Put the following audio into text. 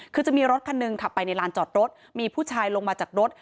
คือจะมีรถคันหนึ่งขับไปในลานจอดรถมีผู้ชายลงมาจากรถ